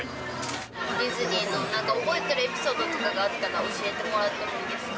ディズニーの、なんか覚えてるエピソードとかがあったら教えてもらってもいいですか。